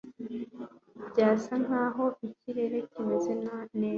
Byasa nkaho ikirere kimeze neza